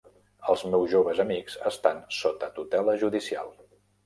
Els meus joves amics estan sota tutela judicial.